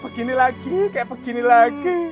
begini lagi kayak begini lagi